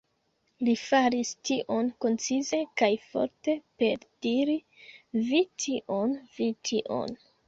Li faris tion koncize kaj forte per diri "Vi tion, vi tion".